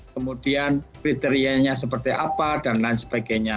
kemudian kriterianya seperti apa dan lain sebagainya